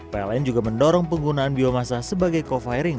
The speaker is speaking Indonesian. pln juga mendorong penggunaan biomasa sebagai co firing